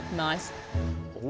お！